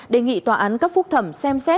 đề nghị tòa án cấp phúc thẩm xem xét